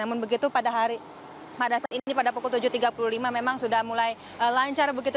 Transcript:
namun begitu pada saat ini pada pukul tujuh tiga puluh lima memang sudah mulai lancar begitu